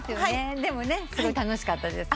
でもすごい楽しかったです。